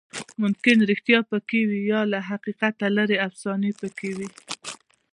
ممکن ریښتیا پکې وي، یا له حقیقت لرې افسانې پکې وي.